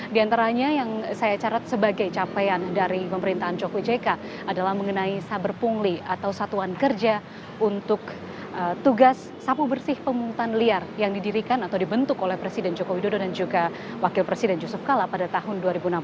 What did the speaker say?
di antaranya yang saya catat sebagai capaian dari pemerintahan jokowi jk adalah mengenai saber pungli atau satuan kerja untuk tugas sapu bersih pemungutan liar yang didirikan atau dibentuk oleh presiden joko widodo dan juga wakil presiden yusuf kala pada tahun dua ribu enam belas